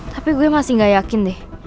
tapi gue masih gak yakin deh